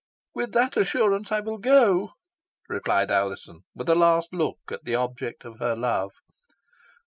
"With that assurance I will go," replied Alizon, with a last look at the object of her love.